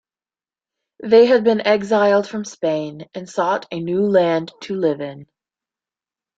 They had been exiled from Spain and sought a new land to live in.